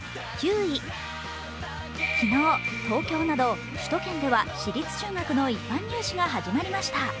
昨日、東京など首都圏では私立中学の一般入試が始まりました。